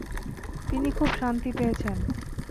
তিনি খুব শান্তি পেয়েছেন।